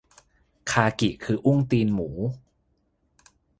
คากิคืออุ้งตีนหมู